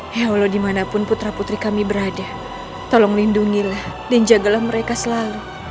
heolo dimanapun putra putri kami berada tolong lindungilah dan jagalah mereka selalu